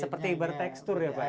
seperti bertekstur ya pak ya